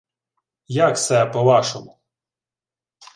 — Як се по-вашому?